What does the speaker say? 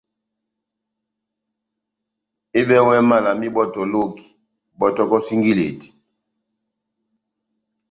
Ehɨbɛwɛ mala má ibɔ́tɔ loki, bɔ́tɔkɔ singileti.